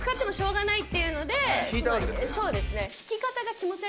そうですね